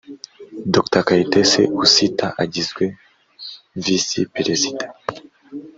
Dr kaitesi usta agizwe visi perezida